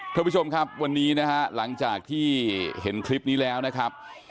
ท่านผู้ชมครับวันนี้นะฮะหลังจากที่เห็นคลิปนี้แล้วนะครับ